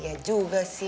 iya juga sih